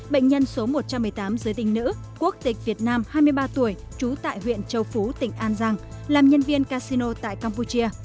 bệnh nhân số một trăm một mươi tám giới tính nữ quốc tịch việt nam hai mươi ba tuổi trú tại huyện châu phú tỉnh an giang làm nhân viên casino tại campuchia